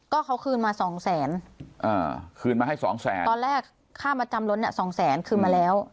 ก็เขาคืนมาสองแสนอ่าคืนมาให้สองแสนตอนแรกค่ามาจำรถเนี้ยสองแสนคืนมาแล้ว